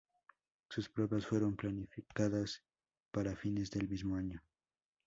Sus pruebas fueron planificadas para fines del mismo año.